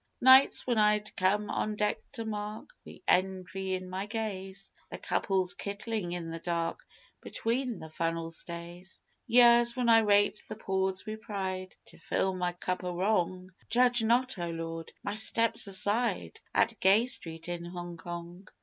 Nights when I'd come on deck to mark, wi' envy in my gaze, The couples kittlin' in the dark between the funnel stays; Years when I raked the ports wi' pride to fill my cup o' wrong Judge not, O Lord, my steps aside at Gay Street in Hong Kong!